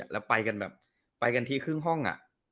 แล้วไปกันที่ครึ่งห้องอ่ะ